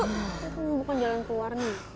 itu bukan jalan keluar neng